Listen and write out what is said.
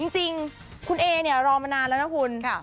จริงคุณเอเนี่ยรอมานานแล้วนะคุณ